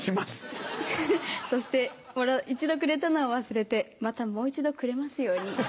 そして一度くれたのを忘れてまたもう一度くれますように。